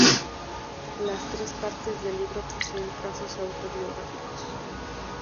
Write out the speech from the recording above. Las tres partes del libro poseen trazos autobiográficos.